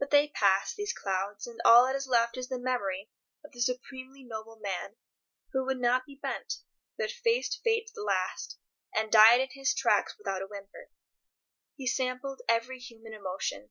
But they pass, these clouds, and all that is left is the memory of the supremely noble man, who would not be bent, but faced Fate to the last, and died in his tracks without a whimper. He sampled every human emotion.